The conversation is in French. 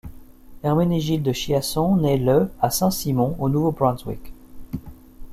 Herménégilde Chiasson naît le à Saint-Simon, au Nouveau-Brunswick.